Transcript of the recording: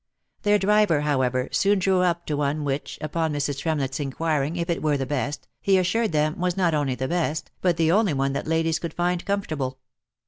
Their driver, however, soon drew up to one which, upon Mrs. Trem lett's inquiring if it were the best, he assured them, was not only the best, but the only one that ladies could find comfortable.